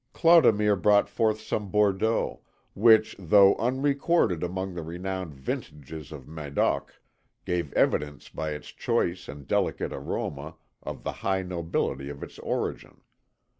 Clodomir brought forth some Bordeaux, which, though unrecorded among the renowned vintages of Médoc, gave evidence by its choice and delicate aroma of the high nobility of its origin.